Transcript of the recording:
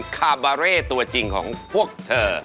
คาบาเร่ตัวจริงของพวกเธอ